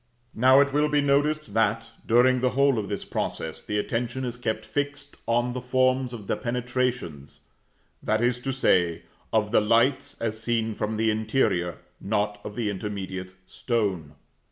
Now, it will be noticed that, during the whole of this process, the attention is kept fixed on the forms of the penetrations, that is to say, of the lights as seen from the interior, not of the intermediate stone.